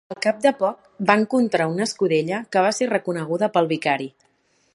Al cap de poc va encontrar una escudella que va ser reconeguda pel vicari.